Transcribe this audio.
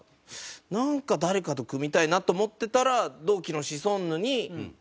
なんか誰かと組みたいなと思ってたら同期のシソンヌに。